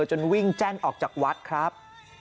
จนวิ่งแจ้นออกจากวัดครับ